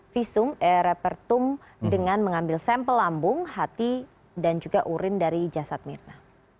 visum e repertum dengan mengambil sampel lambung hati dan juga urin dari jasad mirna